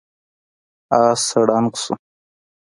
آس ړنګ شو.